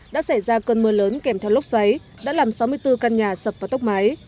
đã xảy ra cơn mưa lớn kèm theo lốc xoáy đã làm sáu mươi bốn căn nhà sập vào tốc mái